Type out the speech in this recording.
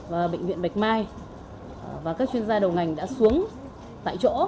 và bệnh viện bạch mai và các chuyên gia đầu ngành đã xuống tại chỗ